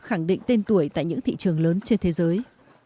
khẳng định tên tuổi tại những thị trường lớn trên thế giới